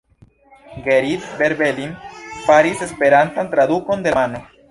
Gerrit Berveling faris esperantan tradukon de la romano.